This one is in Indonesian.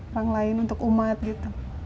orang lain untuk umat gitu